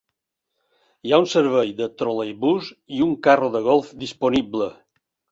Hi ha un servei de troleibús i un carro de golf disponible.